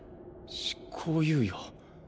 執行猶予。